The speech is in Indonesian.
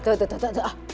tuh tuh tuh